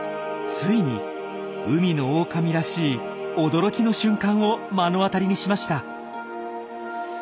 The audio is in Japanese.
ついに海のオオカミらしい驚きの瞬間を目の当たりにしました。